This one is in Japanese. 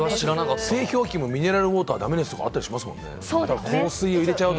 製氷機もミネラルウォーターはダメですとかということ、ありますもんね。